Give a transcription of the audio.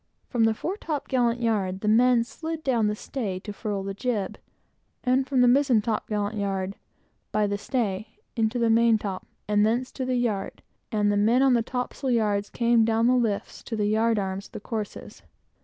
From the fore top gallant yard, the men slid down the stay to furl the jib, and from the mizen top gallant yard, by the stay, into the maintop, and thence to the yard; and the men on the topsail yards came down the lifts to the yard arms of the courses.